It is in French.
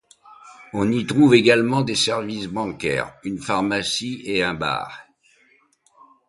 On y trouve également des services bancaire, une pharmacie et un bar.